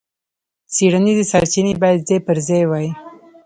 څېړنیزې سرچینې باید ځای پر ځای وای.